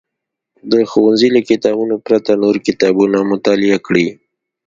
د ښوونځي له کتابونو پرته نور کتابونه مطالعه کړي.